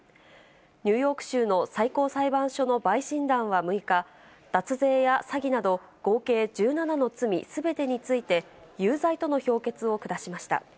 ニューヨーク州の最高裁判所の陪審団は６日、脱税や詐欺など合計１７の罪すべてについて、有罪との評決を下しました。